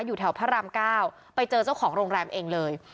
อยู่แถวพระรามเก้าไปเจอเจ้าของโรงแรมเองเลย